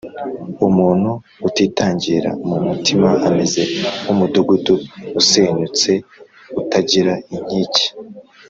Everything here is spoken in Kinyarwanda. umuntu utitangīra mu mutima, ameze nk’umudugudu usenyutse utagira inkike